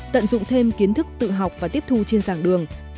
tận dụng thêm kiến thức tự học và tiếp thu trên giảng đường